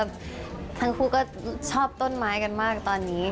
ทั้งคู่ก็ชอบต้นไม้กันมากตอนนี้